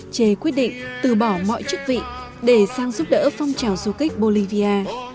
che đã quyết định từ bỏ mọi chức vị để sang giúp đỡ phong trào du kích bolivia